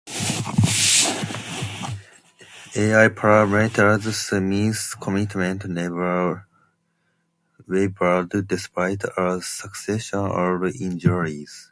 At Parramatta, Smith's commitment never wavered despite a succession of injuries.